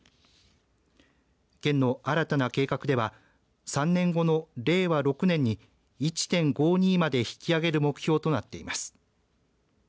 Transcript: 県の新たな計画では３年後の令和６年に１．５２まで引き上げる目標となっています。